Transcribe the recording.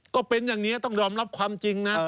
ก็เป็นอย่างนี้ต้องยอมรับความจริงนะ